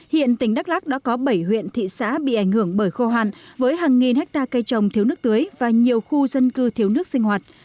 hiện tỉnh đắk lắc đã có bảy huyện thị xã bị ảnh hưởng bởi khô hạn với hàng nghìn hectare cây trồng thiếu nước tưới và nhiều khu dân cư thiếu nước sinh hoạt